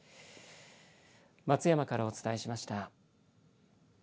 松山からお伝えしました。